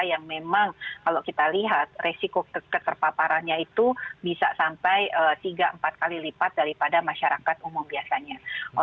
yang memang kalau kita lihat resiko keterpaparannya itu bisa sampai tiga empat kali lipat daripada masyarakat umum biasanya